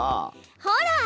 ほら！